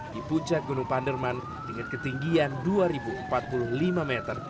di puncak gunung panderman dengan ketinggian dua empat puluh lima meter